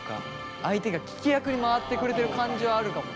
相手が聞き役に回ってくれてる感じはあるかもね。